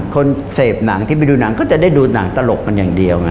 คนเสพหนังที่ไปดูหนังก็จะได้ดูหนังตลกมันอย่างเดียวไง